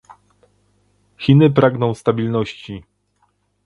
Chiny pragną stabilności